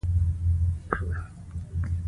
هغوی د سړک پر غاړه د آرام دریاب ننداره وکړه.